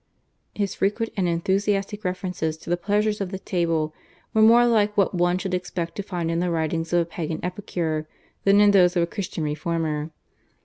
His frequent and enthusiastic references to the pleasures of the table were more like what one should expect to find in the writings of a Pagan epicure than in those of a Christian reformer.